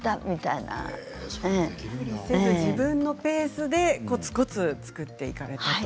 無理せず自分のペースでコツコツ作っていかれたと。